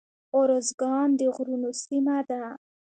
ارزګان د غرونو سیمه ده